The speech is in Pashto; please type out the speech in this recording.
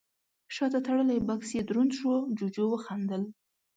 شاته تړلی بکس يې دروند شو، جُوجُو وخندل: